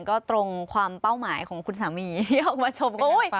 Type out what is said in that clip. ก็ตรงความเป้าหมายของคุณสามีที่ออกมาชมก็